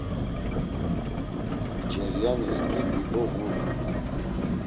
Ceryanis nibu do ğuru.